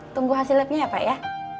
tunggu hasil lab nya ya pak ya